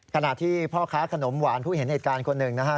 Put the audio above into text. ขณะที่พ่อค้าขนมหวานผู้เห็นเหตุการณ์คนหนึ่งนะฮะ